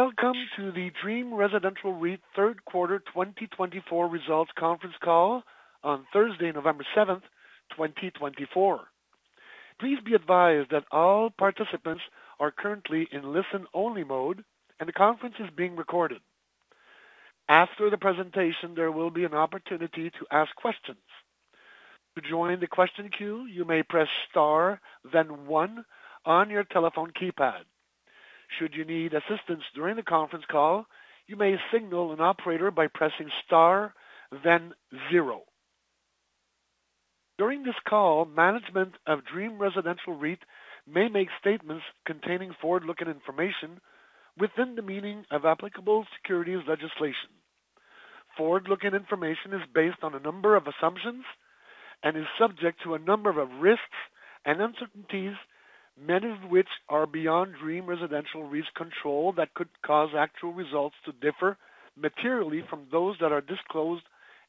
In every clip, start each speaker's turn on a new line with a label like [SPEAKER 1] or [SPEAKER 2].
[SPEAKER 1] Welcome to the Dream Residential REIT Third Quarter 2024 Results Conference Call on Thursday, November 7th, 2024. Please be advised that all participants are currently in listen-only mode and the conference is being recorded. After the presentation, there will be an opportunity to ask questions. To join the question queue, you may press star, then one on your telephone keypad. Should you need assistance during the conference call, you may signal an operator by pressing star, then zero. During this call, management of Dream Residential REIT may make statements containing forward-looking information within the meaning of applicable securities legislation. Forward-looking information is based on a number of assumptions and is subject to a number of risks and uncertainties, many of which are beyond Dream Residential REIT's control that could cause actual results to differ materially from those that are disclosed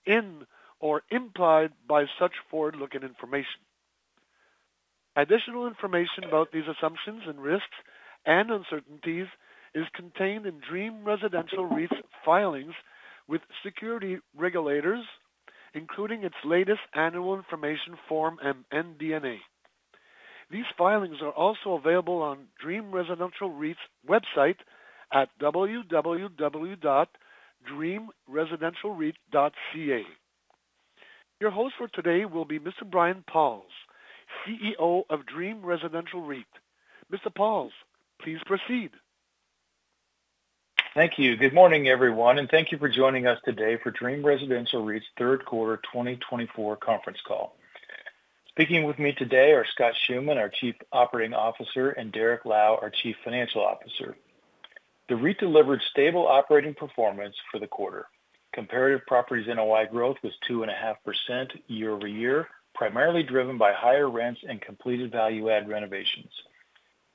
[SPEAKER 1] in or implied by such forward-looking information. Additional information about these assumptions and risks and uncertainties is contained in Dream Residential REIT's filings with security regulators, including its latest annual information form and MD&A. These filings are also available on Dream Residential REIT's website at www.dreamresidentialreit.ca. Your host for today will be Mr. Brian Pauls, CEO of Dream Residential REIT. Mr. Pauls, please proceed.
[SPEAKER 2] Thank you. Good morning, everyone, and thank you for joining us today for Dream Residential REIT's Third Quarter 2024 Conference Call. Speaking with me today are Scott Schoeman, our Chief Operating Officer, and Derrick Lau, our Chief Financial Officer. The REIT delivered stable operating performance for the quarter. Comparative properties NOI growth was 2.5% year-over-year, primarily driven by higher rents and completed value-add renovations.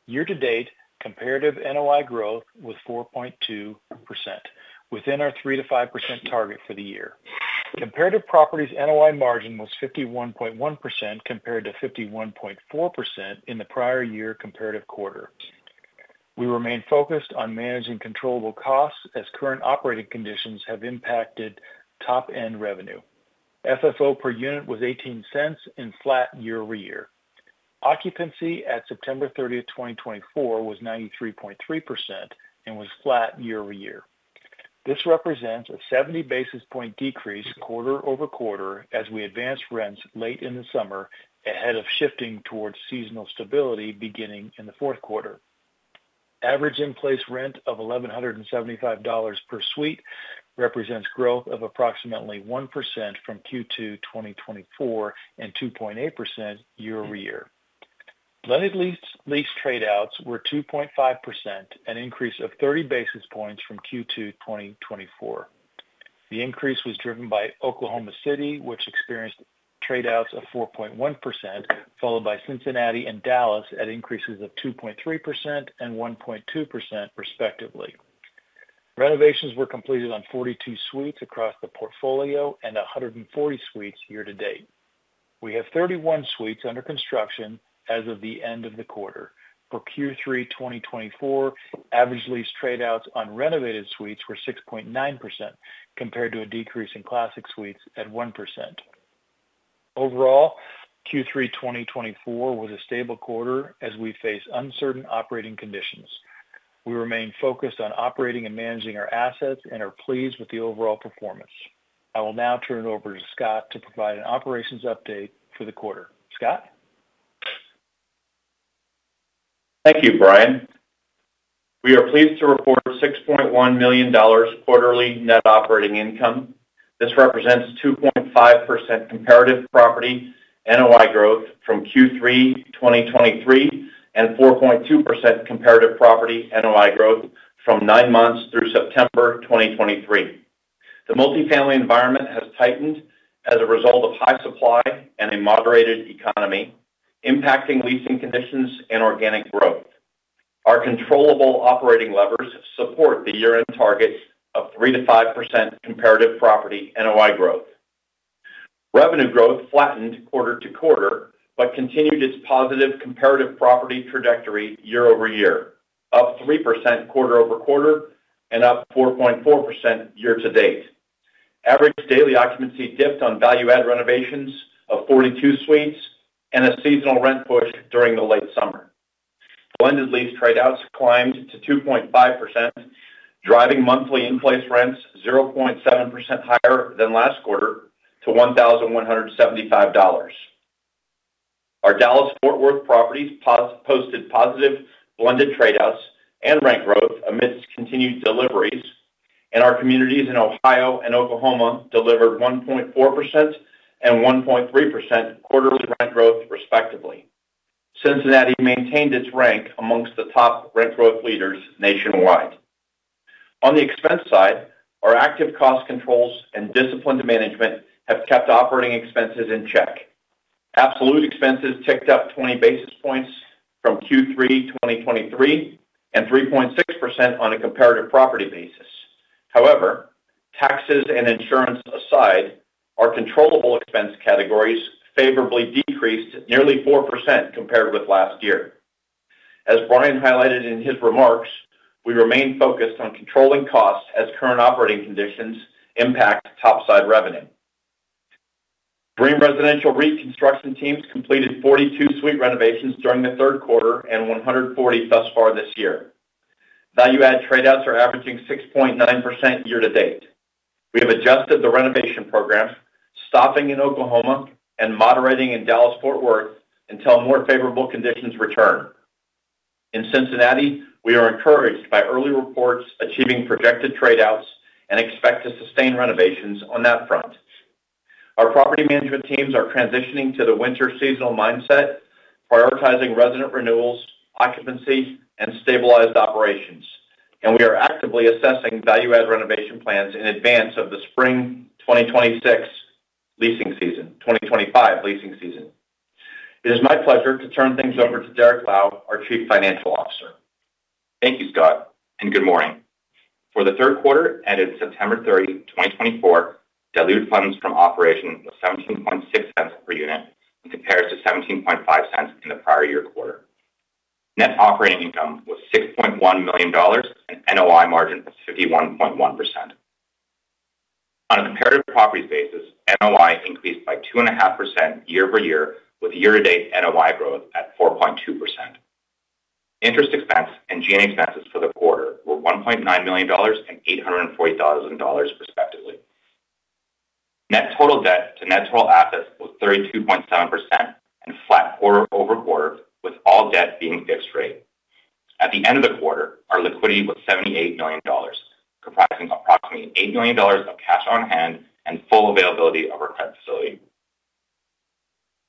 [SPEAKER 2] Year-to-date, comparative NOI growth was 4.2%, within our 3%-5% target for the year. Comparative properties NOI margin was 51.1% compared to 51.4% in the prior year comparative quarter. We remain focused on managing controllable costs as current operating conditions have impacted top-end revenue. FFO per unit was $0.18 and flat year-over-year. Occupancy at September 30th, 2024, was 93.3% and was flat year-over-year. This represents a 70 basis points decrease quarter over quarter as we advance rents late in the summer ahead of shifting towards seasonal stability beginning in the fourth quarter. Average in-place rent of $1,175 per suite represents growth of approximately 1% from Q2 2024 and 2.8% year-over-year. Blended lease tradeouts were 2.5%, an increase of 30 basis points from Q2 2024. The increase was driven by Oklahoma City, which experienced tradeouts of 4.1%, followed by Cincinnati and Dallas at increases of 2.3% and 1.2%, respectively. Renovations were completed on 42 suites across the portfolio and 140 suites year-to-date. We have 31 suites under construction as of the end of the quarter. For Q3 2024, average lease tradeouts on renovated suites were 6.9% compared to a decrease in classic suites at 1%. Overall, Q3 2024 was a stable quarter as we face uncertain operating conditions. We remain focused on operating and managing our assets and are pleased with the overall performance. I will now turn it over to Scott to provide an operations update for the quarter. Scott?
[SPEAKER 3] Thank you, Brian. We are pleased to report $6.1 million quarterly net operating income. This represents 2.5% comparative property NOI growth from Q3 2023 and 4.2% comparative property NOI growth from nine months through September 2023. The multifamily environment has tightened as a result of high supply and a moderated economy, impacting leasing conditions and organic growth. Our controllable operating levers support the year-end target of 3%-5% comparative property NOI growth. Revenue growth flattened quarter to quarter but continued its positive comparative property trajectory year-over-year, up 3% quarter over quarter and up 4.4% year-to-date. Average daily occupancy dipped on value-add renovations of 42 suites and a seasonal rent push during the late summer. Blended lease tradeouts climbed to 2.5%, driving monthly in-place rents 0.7% higher than last quarter to $1,175. Our Dallas-Fort Worth properties posted positive blended tradeouts and rent growth amidst continued deliveries, and our communities in Ohio and Oklahoma delivered 1.4% and 1.3% quarterly rent growth, respectively. Cincinnati maintained its rank amongst the top rent growth leaders nationwide. On the expense side, our active cost controls and discipline to management have kept operating expenses in check. Absolute expenses ticked up 20 basis points from Q3 2023 and 3.6% on a comparative property basis. However, taxes and insurance aside, our controllable expense categories favorably decreased nearly 4% compared with last year. As Brian highlighted in his remarks, we remain focused on controlling costs as current operating conditions impact topside revenue. Dream Residential REIT construction teams completed 42 suite renovations during the third quarter and 140 thus far this year. Value-add tradeouts are averaging 6.9% year-to-date. We have adjusted the renovation program, stopping in Oklahoma and moderating in Dallas-Fort Worth until more favorable conditions return. In Cincinnati, we are encouraged by early reports achieving projected tradeouts and expect to sustain renovations on that front. Our property management teams are transitioning to the winter seasonal mindset, prioritizing resident renewals, occupancy, and stabilized operations, and we are actively assessing value-add renovation plans in advance of the spring 2026 leasing season, 2025 leasing season. It is my pleasure to turn things over to Derrick Lau, our Chief Financial Officer.
[SPEAKER 4] Thank you, Scott, and good morning. For the third quarter, ended September 30th, 2024, diluted funds from operations was $0.176 per unit and compares to $0.175 in the prior year quarter. Net operating income was $6.1 million and NOI margin was 51.1%. On a comparative properties basis, NOI increased by 2.5% year-over-year with year-to-date NOI growth at 4.2%. Interest expense and G&A expenses for the quarter were $1.9 million and $840,000, respectively. Net total debt to net total assets was 32.7% and flat quarter over quarter with all debt being fixed rate. At the end of the quarter, our liquidity was $78 million, comprising approximately $8 million of cash on hand and full availability of our credit facility.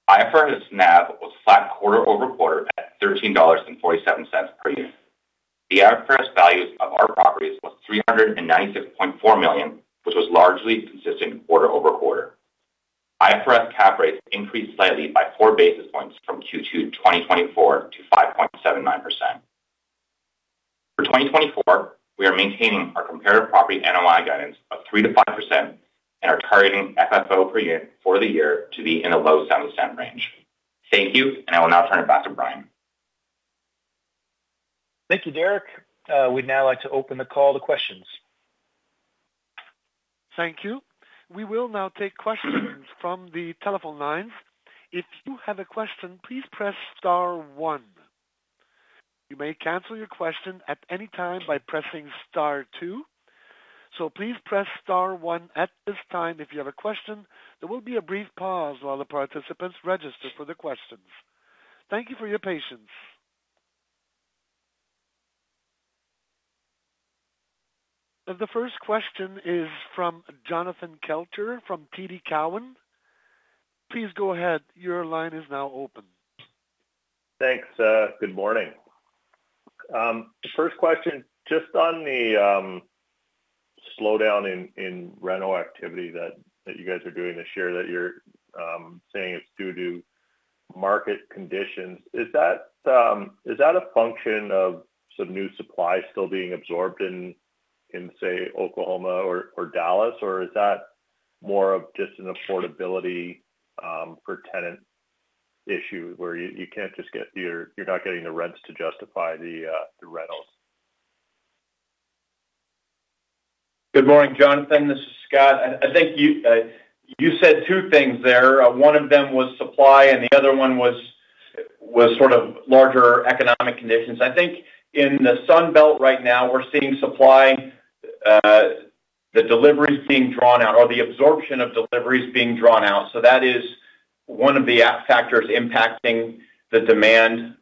[SPEAKER 4] IFRS NAV was flat quarter over quarter at $13.47 per unit. The IFRS values of our properties were $396.4 million, which was largely consistent quarter over quarter. IFRS cap rates increased slightly by 4 basis points from Q2 2024 to 5.79%. For 2024, we are maintaining our comparative property NOI guidance of 3%-5% and are targeting FFO per unit for the year to be in the low $0.70 range. Thank you, and I will now turn it back to Brian.
[SPEAKER 2] Thank you, Derrick. We'd now like to open the call to questions.
[SPEAKER 1] Thank you. We will now take questions from the telephone lines. If you have a question, please press star one. You may cancel your question at any time by pressing star two. So please press star one at this time if you have a question. There will be a brief pause while the participants register for the questions. Thank you for your patience. The first question is from Jonathan Kelcher from TD Cowen. Please go ahead. Your line is now open.
[SPEAKER 5] Thanks. Good morning. First question, just on the slowdown in rental activity that you guys are doing this year that you're saying it's due to market conditions, is that a function of some new supply still being absorbed in, say, Oklahoma or Dallas, or is that more of just an affordability for tenant issue where you can't just get your—you're not getting the rents to justify the rentals?
[SPEAKER 3] Good morning, Jonathan. This is Scott. I think you said two things there. One of them was supply, and the other one was sort of larger economic conditions. I think in the Sunbelt right now, we're seeing supply, the deliveries being drawn out, or the absorption of deliveries being drawn out. So that is one of the factors impacting the demand.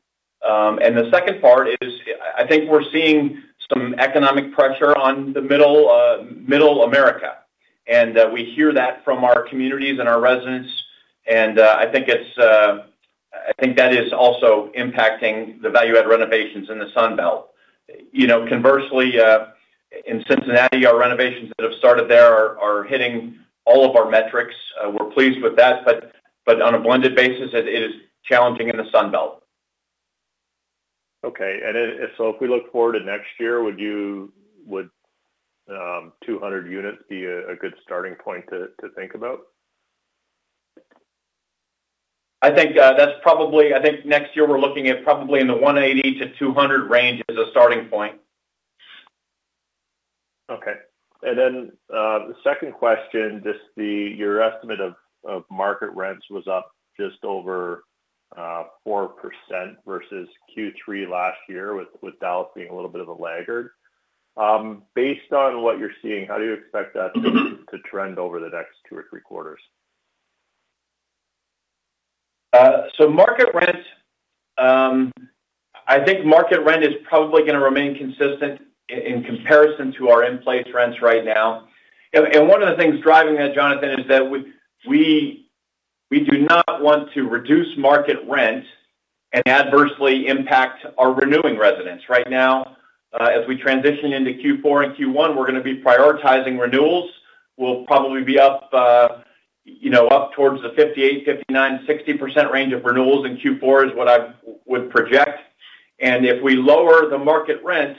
[SPEAKER 3] And the second part is I think we're seeing some economic pressure on the Middle America, and we hear that from our communities and our residents. And I think that is also impacting the value-add renovations in the Sunbelt. Conversely, in Cincinnati, our renovations that have started there are hitting all of our metrics. We're pleased with that, but on a blended basis, it is challenging in the Sunbelt.
[SPEAKER 5] Okay, and so if we look forward to next year, would 200 units be a good starting point to think about?
[SPEAKER 3] I think next year we're looking at probably in the 180 to 200 range as a starting point.
[SPEAKER 5] Okay. And then the second question, just your estimate of market rents was up just over 4% versus Q3 last year, with Dallas being a little bit of a laggard. Based on what you're seeing, how do you expect that to trend over the next two or three quarters?
[SPEAKER 3] Market rent, I think market rent is probably going to remain consistent in comparison to our in-place rents right now. One of the things driving that, Jonathan, is that we do not want to reduce market rent and adversely impact our renewing residents. Right now, as we transition into Q4 and Q1, we're going to be prioritizing renewals. We'll probably be up towards the 58%-60% range of renewals in Q4 is what I would project. If we lower the market rent,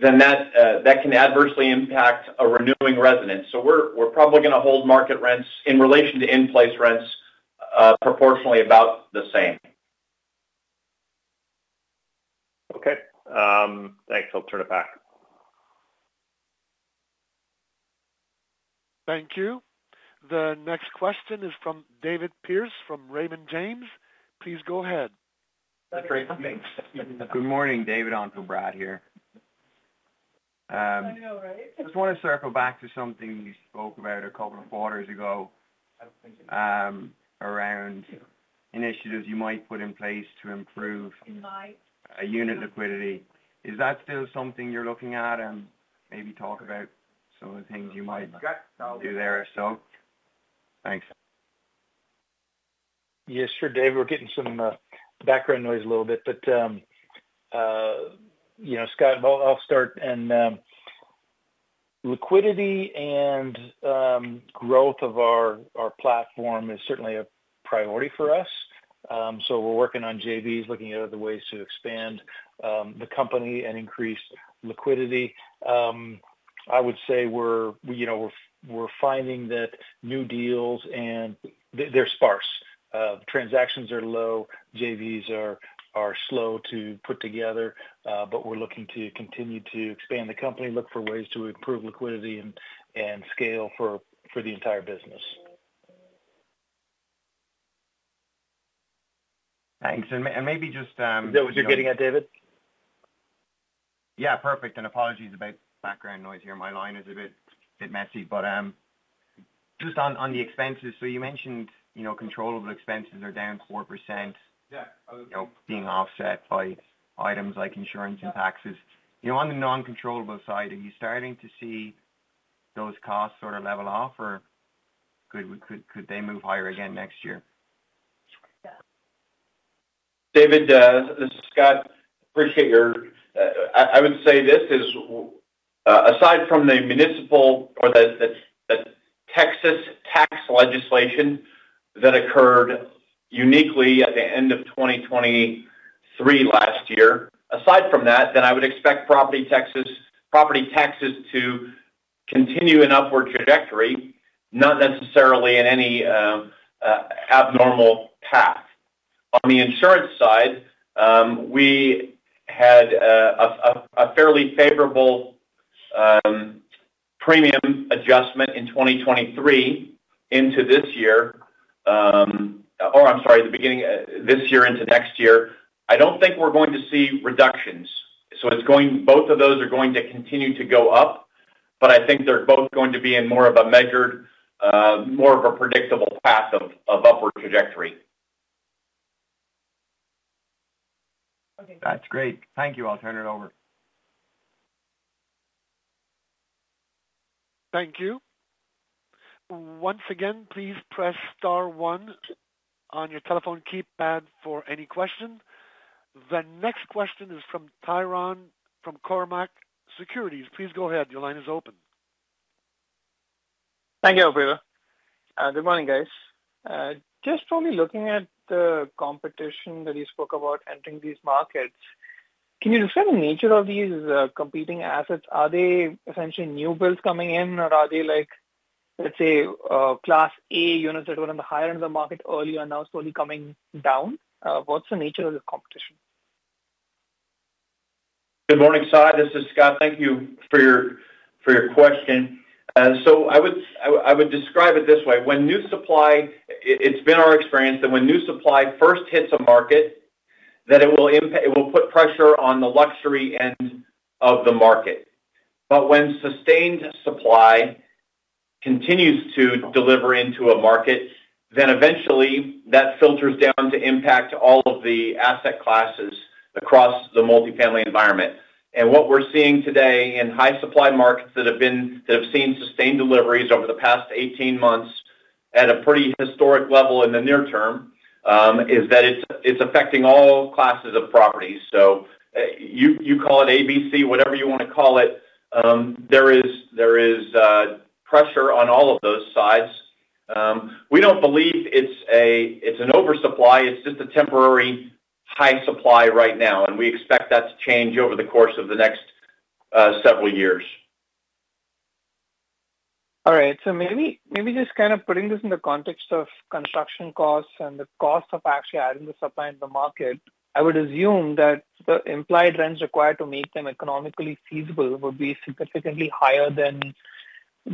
[SPEAKER 3] then that can adversely impact a renewing resident. We're probably going to hold market rents in relation to in-place rents proportionately about the same.
[SPEAKER 5] Okay. Thanks. I'll turn it back.
[SPEAKER 1] Thank you. The next question is from David Pierce from Raymond James. Please go ahead.
[SPEAKER 6] Good morning, David on for Brad here. I know, right? I just want to circle back to something you spoke about a couple of quarters ago around initiatives you might put in place to improve. Unit liquidity. Is that still something you're looking at? And maybe talk about some of the things you might do there. So thanks.
[SPEAKER 2] Yes, sure, David. We're getting some background noise a little bit, but Scott, I'll start, and liquidity and growth of our platform is certainly a priority for us, so we're working on JVs, looking at other ways to expand the company and increase liquidity. I would say we're finding that new deals, and they're sparse. Transactions are low. JVs are slow to put together, but we're looking to continue to expand the company, look for ways to improve liquidity and scale for the entire business.
[SPEAKER 6] Thanks. And maybe just.
[SPEAKER 3] Is that what you're getting at, David?
[SPEAKER 6] Yeah. Perfect, and apologies about background noise here. My line is a bit messy, but just on the expenses, so you mentioned controllable expenses are down 4% being offset by items like insurance and taxes. On the non-controllable side, are you starting to see those costs sort of level off, or could they move higher again next year?
[SPEAKER 3] David, this is Scott. Appreciate your—I would say this is aside from the municipal or the Texas tax legislation that occurred uniquely at the end of 2023 last year, aside from that, then I would expect property taxes to continue an upward trajectory, not necessarily in any abnormal path. On the insurance side, we had a fairly favorable premium adjustment in 2023 into this year, or I'm sorry, the beginning this year into next year. I don't think we're going to see reductions. So both of those are going to continue to go up, but I think they're both going to be in more of a measured, more of a predictable path of upward trajectory.
[SPEAKER 6] That's great. Thank you. I'll turn it over.
[SPEAKER 1] Thank you. Once again, please press star one on your telephone keypad for any question. The next question is from Sairam from Cormark Securities. Please go ahead. Your line is open.
[SPEAKER 7] Thank you, operator. Good morning, guys. Just probably looking at the competition that you spoke about entering these markets, can you describe the nature of these competing assets? Are they essentially new builds coming in, or are they, let's say, Class A units that were on the higher end of the market earlier and now slowly coming down? What's the nature of the competition?
[SPEAKER 3] Good morning, Scott. This is Scott. Thank you for your question. So I would describe it this way. When new supply, it's been our experience that when new supply first hits a market, that it will put pressure on the luxury end of the market. But when sustained supply continues to deliver into a market, then eventually that filters down to impact all of the asset classes across the multifamily environment. And what we're seeing today in high supply markets that have seen sustained deliveries over the past 18 months at a pretty historic level in the near term is that it's affecting all classes of properties. So you call it A, B, C, whatever you want to call it, there is pressure on all of those sides. We don't believe it's an oversupply. It's just a temporary high supply right now, and we expect that to change over the course of the next several years.
[SPEAKER 7] All right. So maybe just kind of putting this in the context of construction costs and the cost of actually adding the supply into the market, I would assume that the implied rents required to make them economically feasible would be significantly higher than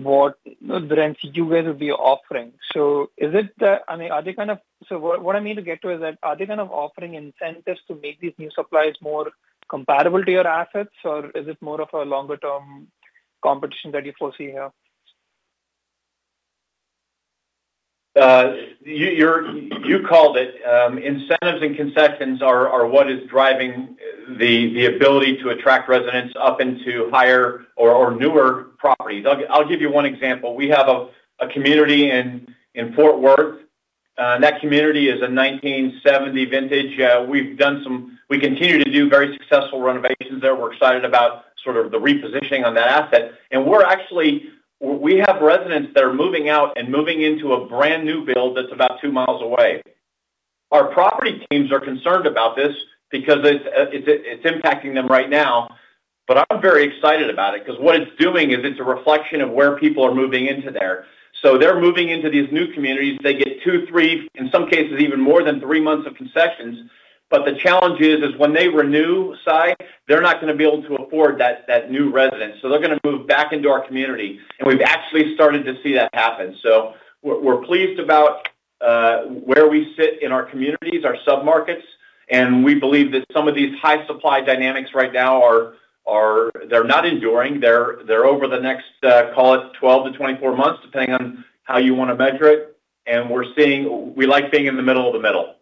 [SPEAKER 7] what the rents you guys would be offering. So is it that—I mean, are they kind of—so what I mean to get to is that are they kind of offering incentives to make these new supplies more compatible to your assets, or is it more of a longer-term competition that you foresee here?
[SPEAKER 3] You called it. Incentives and concessions are what is driving the ability to attract residents up into higher or newer properties. I'll give you one example. We have a community in Fort Worth. That community is a 1970 vintage. We've done some. We continue to do very successful renovations there. We're excited about sort of the repositioning on that asset, and we have residents that are moving out and moving into a brand new build that's about two miles away. Our property teams are concerned about this because it's impacting them right now, but I'm very excited about it because what it's doing is it's a reflection of where people are moving into there, so they're moving into these new communities. They get two, three, in some cases, even more than three months of concessions. But the challenge is when they renew, Sy, they're not going to be able to afford that new residence. So they're going to move back into our community. And we've actually started to see that happen. So we're pleased about where we sit in our communities, our submarkets, and we believe that some of these high supply dynamics right now, they're not enduring. They're over the next, call it, 12 to 24 months, depending on how you want to measure it. And we like being in the middle of the middle.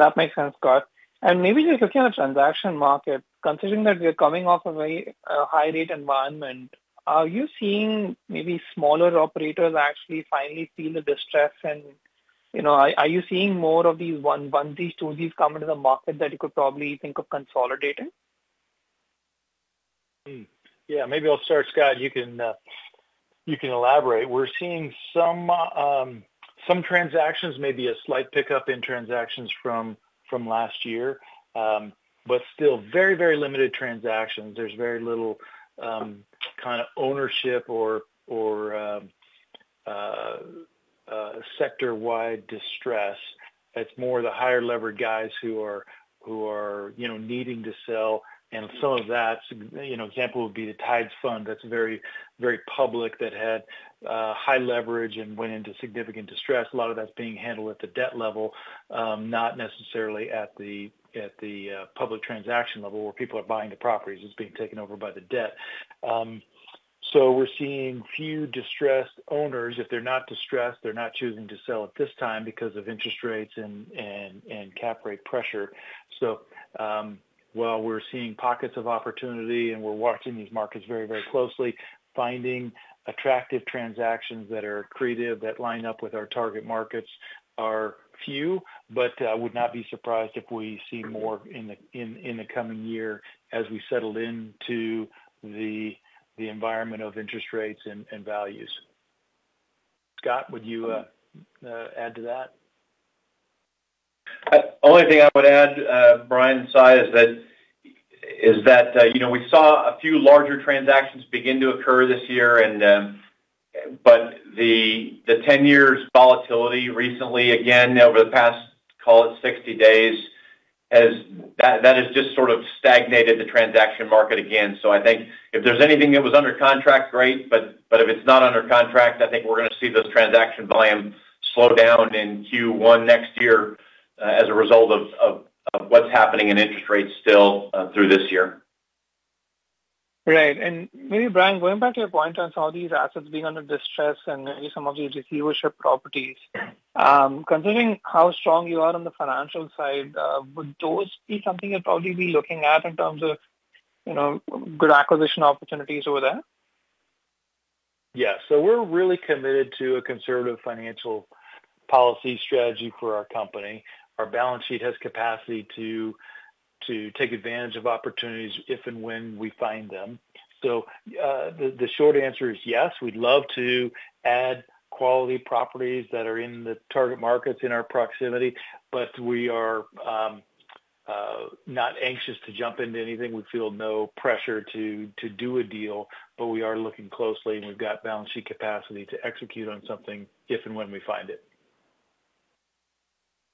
[SPEAKER 7] That makes sense, Scott. And maybe just looking at the transaction market, considering that we're coming off of a high-rate environment, are you seeing maybe smaller operators actually finally feel the distress? And are you seeing more of these one, one, these, two, these come into the market that you could probably think of consolidating?
[SPEAKER 2] Yeah. Maybe I'll start, Scott. You can elaborate. We're seeing some transactions, maybe a slight pickup in transactions from last year, but still very, very limited transactions. There's very little kind of ownership or sector-wide distress. It's more the higher-levered guys who are needing to sell. And some of that, an example would be the Tides Fund that's very public, that had high leverage and went into significant distress. A lot of that's being handled at the debt level, not necessarily at the public transaction level where people are buying the properties. It's being taken over by the debt. So we're seeing few distressed owners. If they're not distressed, they're not choosing to sell at this time because of interest rates and cap rate pressure. So while we're seeing pockets of opportunity and we're watching these markets very, very closely, finding attractive transactions that are creative, that line up with our target markets are few, but I would not be surprised if we see more in the coming year as we settle into the environment of interest rates and values. Scott, would you add to that? Only thing I would add, Brian and Sy, is that we saw a few larger transactions begin to occur this year, but the 10-year volatility recently, again, over the past, call it, 60 days, that has just sort of stagnated the transaction market again. So I think if there's anything that was under contract, great, but if it's not under contract, I think we're going to see those transaction volume slow down in Q1 next year as a result of what's happening in interest rates still through this year.
[SPEAKER 7] Right. And maybe, Brian, going back to your point on some of these assets being under distress and some of these receivership properties, considering how strong you are on the financial side, would those be something you'd probably be looking at in terms of good acquisition opportunities over there?
[SPEAKER 3] Yeah. So we're really committed to a conservative financial policy strategy for our company. Our balance sheet has capacity to take advantage of opportunities if and when we find them. So the short answer is yes. We'd love to add quality properties that are in the target markets in our proximity, but we are not anxious to jump into anything. We feel no pressure to do a deal, but we are looking closely, and we've got balance sheet capacity to execute on something if and when we find it.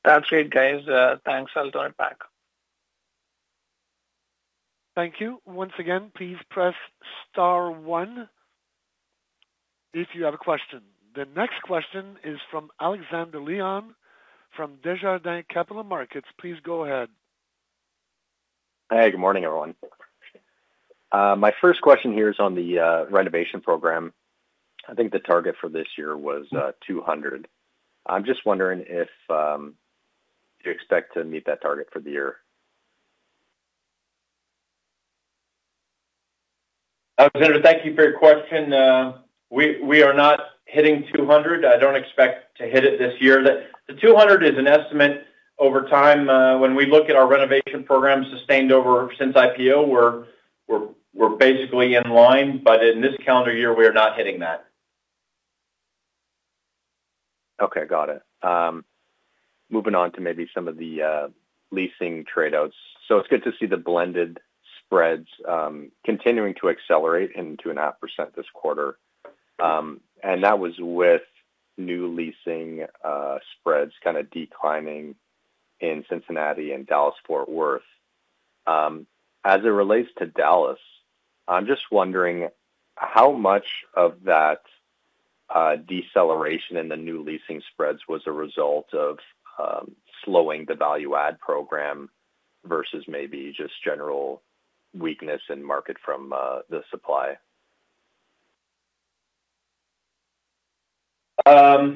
[SPEAKER 7] That's it, guys. Thanks. I'll turn it back.
[SPEAKER 1] Thank you. Once again, please press star one if you have a question. The next question is from Alexander Leon from Desjardins Capital Markets. Please go ahead.
[SPEAKER 8] Hey, good morning, everyone. My first question here is on the renovation program. I think the target for this year was 200. I'm just wondering if you expect to meet that target for the year.
[SPEAKER 2] Alexander, thank you for your question. We are not hitting 200. I don't expect to hit it this year. The 200 is an estimate over time. When we look at our renovation program sustained over since IPO, we're basically in line, but in this calendar year, we are not hitting that.
[SPEAKER 8] Okay. Got it. Moving on to maybe some of the leasing trade-offs. So it's good to see the blended spreads continuing to accelerate in 2.5% this quarter. And that was with new leasing spreads kind of declining in Cincinnati and Dallas-Fort Worth. As it relates to Dallas, I'm just wondering how much of that deceleration in the new leasing spreads was a result of slowing the value-add program versus maybe just general weakness in market from the supply?
[SPEAKER 2] I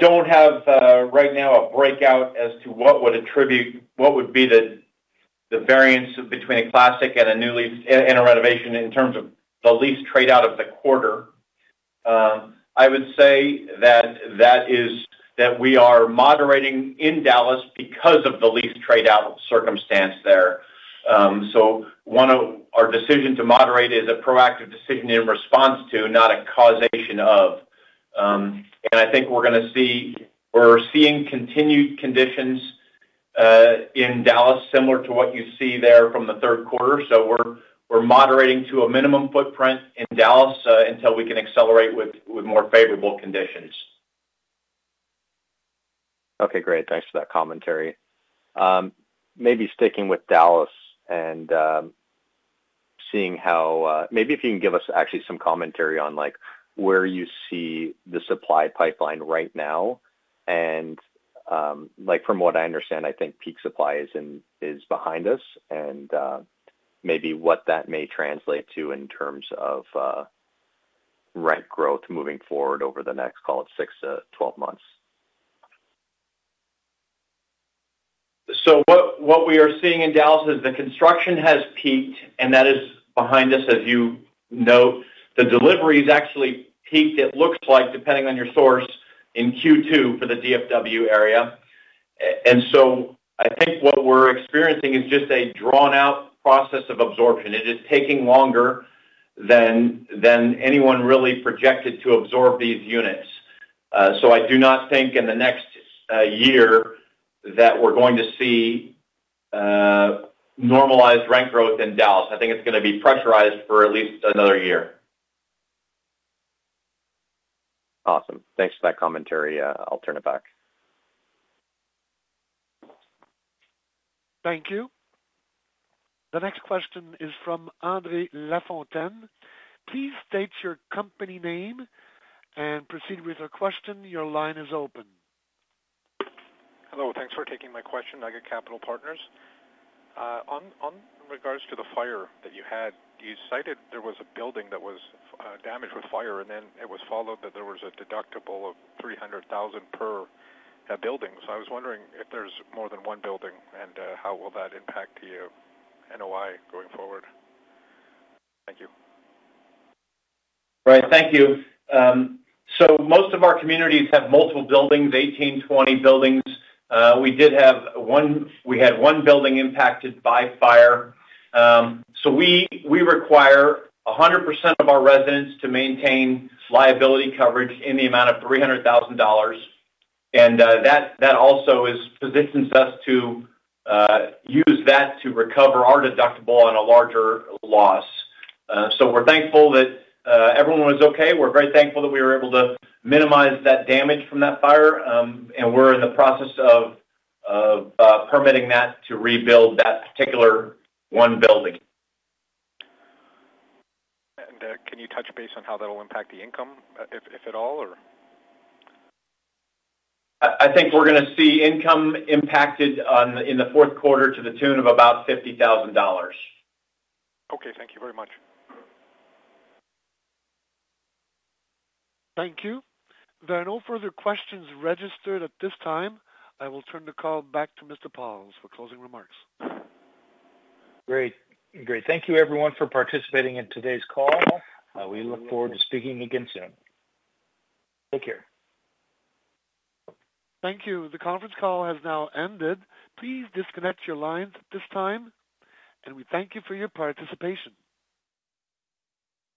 [SPEAKER 2] don't have right now a breakdown as to what would be the variance between a classic and a renovation in terms of the lease tradeout of the quarter. I would say that we are moderating in Dallas because of the lease tradeout circumstance there. So our decision to moderate is a proactive decision in response to, not a causation of. And I think we're going to see continued conditions in Dallas similar to what you see there from the third quarter. So we're moderating to a minimum footprint in Dallas until we can accelerate with more favorable conditions.
[SPEAKER 8] Okay. Great. Thanks for that commentary. Maybe sticking with Dallas and seeing how, maybe if you can give us actually some commentary on where you see the supply pipeline right now, and from what I understand, I think peak supply is behind us and maybe what that may translate to in terms of rent growth moving forward over the next, call it, six to 12 months.
[SPEAKER 2] So what we are seeing in Dallas is the construction has peaked, and that is behind us, as you note. The deliveries actually peaked, it looks like, depending on your source, in Q2 for the DFW area. And so I think what we're experiencing is just a drawn-out process of absorption. It is taking longer than anyone really projected to absorb these units. So I do not think in the next year that we're going to see normalized rent growth in Dallas. I think it's going to be pressurized for at least another year.
[SPEAKER 8] Awesome. Thanks for that commentary. I'll turn it back.
[SPEAKER 1] Thank you. The next question is from André Lafontaine. Please state your company name and proceed with your question. Your line is open.
[SPEAKER 9] Hello. Thanks for taking my question, Nugget Capital Partners. In regards to the fire that you had, you cited there was a building that was damaged with fire, and then it was followed that there was a deductible of $300,000 per building. So I was wondering if there's more than one building and how will that impact your NOI going forward? Thank you.
[SPEAKER 2] Right. Thank you. So most of our communities have multiple buildings, 18, 20 buildings. We had one building impacted by fire. So we require 100% of our residents to maintain liability coverage in the amount of $300,000. And that also positions us to use that to recover our deductible on a larger loss. So we're thankful that everyone was okay. We're very thankful that we were able to minimize that damage from that fire. And we're in the process of permitting that to rebuild that particular one building.
[SPEAKER 9] Can you touch base on how that will impact the income, if at all, or?
[SPEAKER 3] I think we're going to see income impacted in the fourth quarter to the tune of about $50,000.
[SPEAKER 9] Okay. Thank you very much.
[SPEAKER 1] Thank you. There are no further questions registered at this time. I will turn the call back to Mr. Pauls for closing remarks.
[SPEAKER 2] Great. Great. Thank you, everyone, for participating in today's call. We look forward to speaking again soon. Take care.
[SPEAKER 1] Thank you. The conference call has now ended. Please disconnect your lines at this time, and we thank you for your participation.